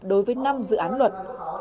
đối với năm dự án luật